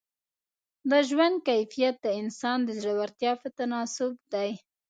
د ژوند کیفیت د انسان د زړورتیا په تناسب دی.